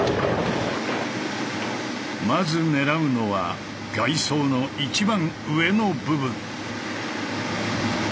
まず狙うのは外装の一番上の部分。